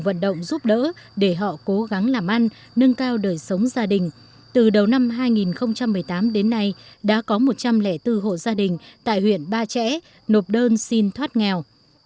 vận động giúp đỡ để họ cố gắng làm ăn nâng cao đời sống gia đình từ đầu năm hai nghìn một mươi tám đến nay đã có một trăm linh bốn hộ gia đình tại huyện ba trẻ nộp đơn xin thoát nghèo